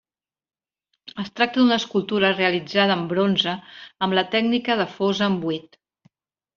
Es tracta d'una escultura realitzada en bronze amb la tècnica de fosa en buit.